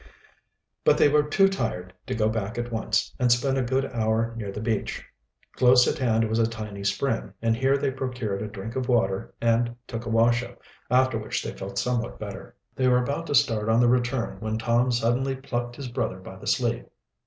But they were too tired to go back at once, and spent a good hour near the beach. Close at hand was a tiny spring, and here they procured a drink of water and took a wash up, after which they felt somewhat better. They were about to start on the return when Tom suddenly plucked his brother by the sleeve.